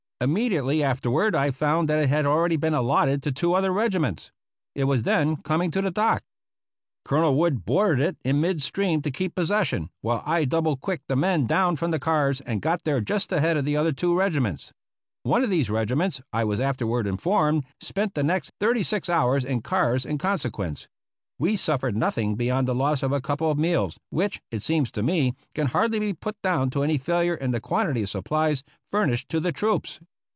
Immediately afterward I found that it had already been allotted to two other regiments. It was then coming to the dock. Colonel Wood boarded it in mid stream to keep possession, while I double quicked the men down from the cars and got there just ahead of the other two regiments. 271 APPENDIX B One of these regiments, I was afterward informed, spent the next thirty six hours in cars in consequence. We suf fered nothing beyond the loss of a couple of meals, which, it seems to me, can hardly be put down to any failure in the quantity of supplies furnished to the troops.